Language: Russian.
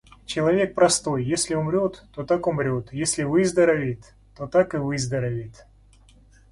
Человек простой: если умрёт, то так умрёт, если выздоровеет, то и так выздоровеет.